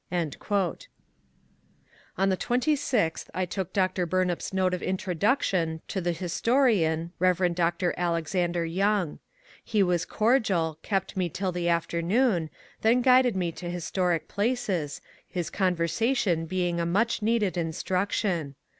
'* Ou the 26th I took Dr. Bumap's note of introduction to the historian. Rev. Dr. Alexander Young. He was cordial, kept me tiU the afternoon, then guided me to historic places, his conversation being a much needed instruction.